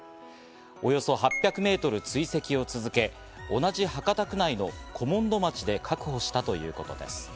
およそ８００メートル追跡を続け、同じ博多区内の古門戸町で確保したということです。